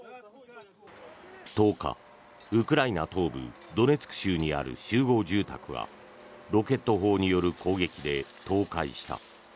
１０日、ウクライナ東部ドネツク州にある集合住宅がロケット砲による攻撃で倒壊した。